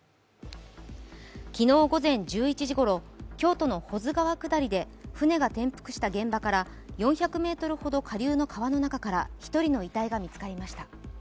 昨日午前１１時ごろ、京都の保津川下りで舟が転覆した現場から４００ｍほど下流の川の中から１人の遺体が見つかりました。